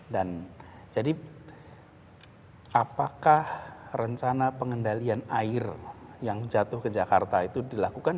dan jadi apakah rencana pengendalian alasan